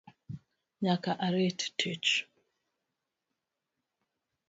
Nyaka arit tich